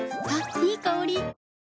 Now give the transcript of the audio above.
いい香り。